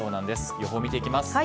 予報を見ていきます。